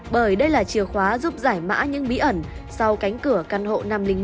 bởi đây là chìa khóa giúp giải mã những bí ẩn sau cánh cửa căn hộ năm trăm linh một